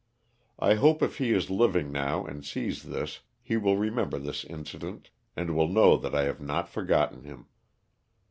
I hope if he is living now and sees this he will remember this inci dent and will know that I have not forgotten him.